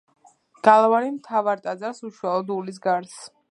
გალავანი მთავარ ტაძარს უშუალოდ უვლის გარს.